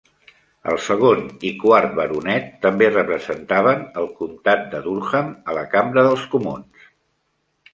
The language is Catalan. El segon i quart baronet també representaven el comtat de Durham a la Cambra dels Comuns.